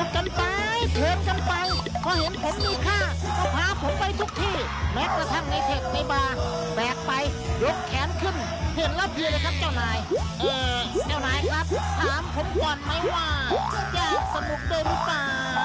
รู้หรือเปล่า